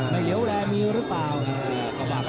เหลียวแลมีหรือเปล่า